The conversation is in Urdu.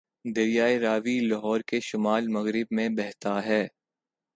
دریائے راوی لاہور کے شمال مغرب میں بہتا ہے